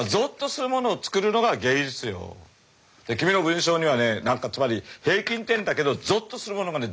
君の文章にはね何かつまり平均点だけどぞっとするものがね